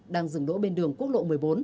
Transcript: đang dừng đỗ bên đường quốc lộ một mươi bốn